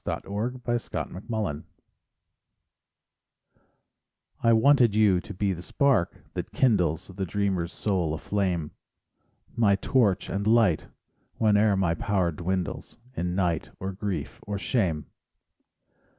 SONGS AND DREAMS Regret I wanted you to be the spark, that kindles The dreamer's soul aflame, My torch and light whene'er my power dwindles In night, or grief, or shame.